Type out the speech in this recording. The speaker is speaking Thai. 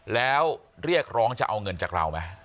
แล้วเรียกร้องจะเอาเงินจากเราไหม